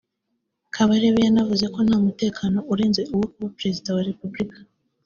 Kabarebe yanavuze ko nta mutekano urenze uwo kuba Perezida wa Repubulika